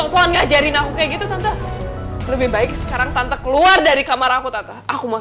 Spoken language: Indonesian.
soal ngajarin aku kayak gitu tante lebih baik sekarang tante keluar dari kamar aku tante aku mau